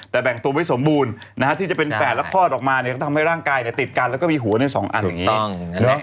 แต่แบ่งตัวไม่สมบูรณ์นะฮะที่จะเป็นแฝดแล้วคลอดออกมาเนี่ยก็ทำให้ร่างกายติดกันแล้วก็มีหัวใน๒อันอย่างนี้